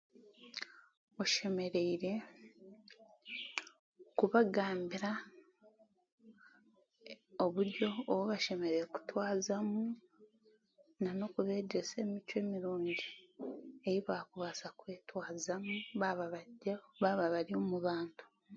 Oshemereire kubagambira oburyo obu bashemereire kutwazamu nan'okubeegyesa emicwe mirungi ei baakubaasa kwetwazamu baaba bari omu bantu